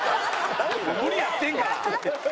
無理やってんから。